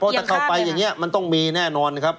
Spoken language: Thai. ถ้าเข้าไปอย่างนี้มันต้องมีแน่นอนครับ